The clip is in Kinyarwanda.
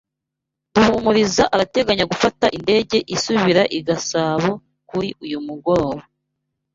Ruhumuriza arateganya gufata indege isubira i Gasabo kuri uyu mugoroba.